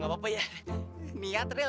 gak apa apa ya nih ya tril